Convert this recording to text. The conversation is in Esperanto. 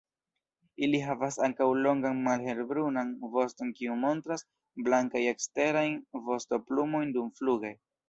Ili havas ankaŭ longan malhelbrunan voston kiu montras blankajn eksterajn vostoplumojn dumfluge.